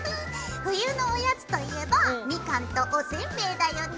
冬のおやつといえばみかんとおせんべいだよね。